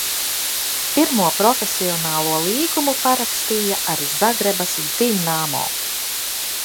"Pirmo profesionālo līgumu parakstīja ar Zagrebas "Dinamo"."